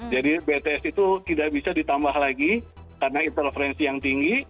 jadi bts itu tidak bisa ditambah lagi karena interferensi yang tinggi